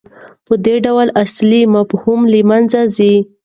په دې ډول اصلي مفهوم له منځه ځي.